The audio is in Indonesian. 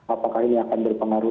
apakah ini akan berpengaruh